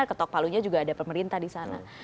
ketok palunya juga ada pemerintah di sana